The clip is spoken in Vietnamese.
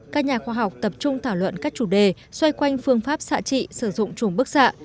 các nhà khoa học tập trung thảo luận các chủ đề xoay quanh phương pháp xạ trị sử dụng chùm bức xạ